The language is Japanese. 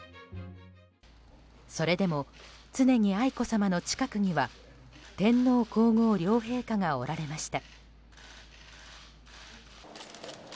それでも常に愛子さまの近くには天皇・皇后両陛下がおられました。